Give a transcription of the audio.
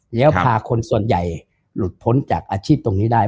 แล้วพาคนส่วนใหญ่หลุดพ้นจากอาชีพตรงนี้ได้